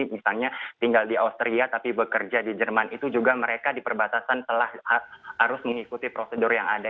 misalnya tinggal di austria tapi bekerja di jerman itu juga mereka di perbatasan telah harus mengikuti prosedur yang ada